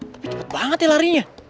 tapi banget ya larinya